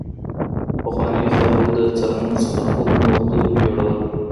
پخوانیو خلګو د څرمنو څخه کوم نور توکي جوړول؟